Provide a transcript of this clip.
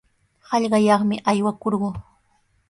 Hallqayaqmi aywakurquu.